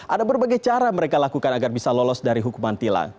ada berbagai cara mereka lakukan agar bisa lolos dari hukuman tilang